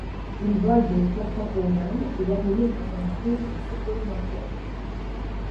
Il vole des flacons au Lang et administre à son épouse une surdose mortelle.